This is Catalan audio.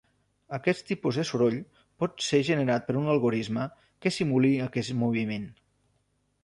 Aquest tipus de soroll pot ser generat per un algorisme que simuli aquest moviment.